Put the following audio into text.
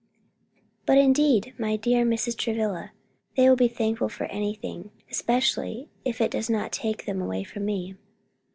"But, indeed, my dear Mrs. Travilla, they will be thankful for anything: especially if it does not take them away from me."